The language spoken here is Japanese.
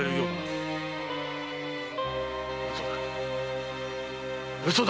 〕嘘だ嘘だ！